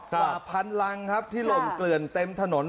กว่าพันรังที่ลงเกลื่อนเต็มถนน